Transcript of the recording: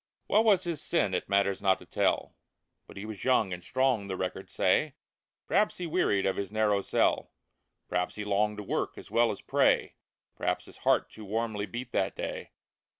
What was his sin it matters not to tell. But he was young and strong, the records say ; Perhaps he wearied of his narrow cell ; Perhaps he longed to work, as well as pray ; Perhaps his heart too warmly beat that day